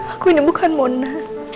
aku ini bukan mona